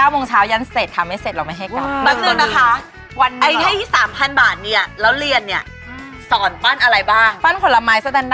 โมงเช้ายันเสร็จค่ะไม่เสร็จเราไม่ให้กลับ